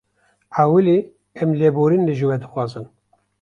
Ewilî em lêborînê ji we dixwazin